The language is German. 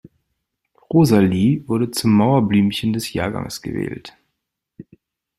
Rosalie wurde zum Mauerblümchen des Jahrgangs gewählt.